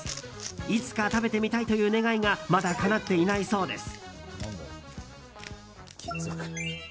いつか食べてみたいという願いがまだかなっていないそうです。